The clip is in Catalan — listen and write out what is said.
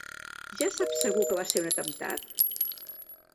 Ja saps segur que va ser un atemptat?